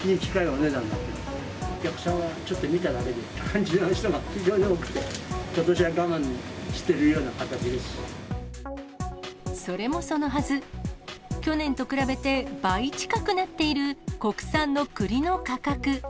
お客さんはちょっと見ただけでという感じの人が非常に多くて、それもそのはず、去年と比べて、倍近くになっている国産の栗の価格。